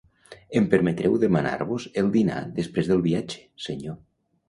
Em permetreu demanar-vos el dinar després del viatge, senyor.